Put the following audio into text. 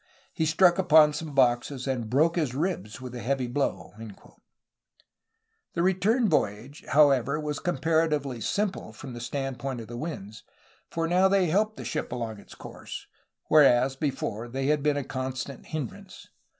He struck upon some boxes and broke his ribs with the heavy blow/' The return voyage, however, was comparatively simple from the standpoint of the winds, for now they helped the ship along its course, whereas, before, they had been a con stant hindrance.